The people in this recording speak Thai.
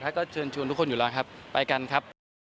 ก็เชิญชวนทุกคนอยู่แล้วครับไปกันครับ